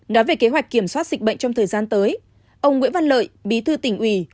nói về kế hoạch kiểm soát dịch bệnh trong thời gian tới ông nguyễn văn lợi bí thư tỉnh ủy